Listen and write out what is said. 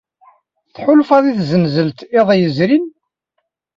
Tḥulfaḍ i tzenzelt iḍ yezrin.